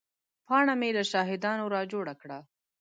پاڼه مې له شاهدانو را جوړه کړه.